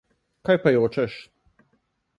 Kaj pa jočeš?